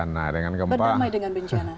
artinya kan awalnya mumpuni